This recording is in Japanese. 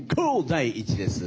第一」です。